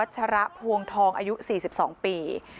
ใช่